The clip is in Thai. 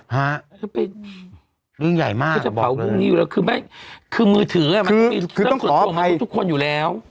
ฮะเรื่องใหญ่มากคือไม่คือมือถือคือคือต้องขออภัยทุกคนอยู่แล้ว